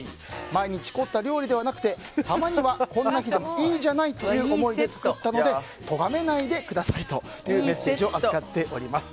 毎日凝った料理ではなくてたまには、こんな日でもいいじゃないという思いで作ったのでとがめないでくださいというメッセージを預かっております。